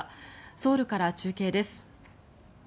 ソウルから中継です。